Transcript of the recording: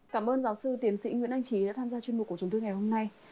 cảm ơn giáo sư tiến sĩ nguyễn anh trí đã tham gia chuyên mục của chúng tôi ngày hôm nay